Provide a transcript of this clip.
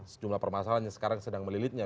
sejumlah permasalahan yang sekarang sedang melilitnya